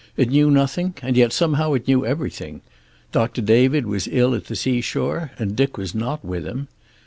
It knew nothing, and yet somehow it knew everything. Doctor David was ill at the seashore, and Dick was not with him.